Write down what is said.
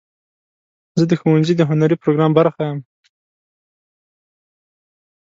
زه د ښوونځي د هنري پروګرام برخه یم.